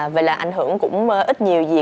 vậy là ảnh hưởng cũng ít nhiều gì